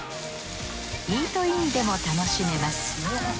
イートインでも楽しめます。